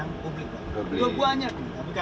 tapi kan kita punya tanggung jawab juga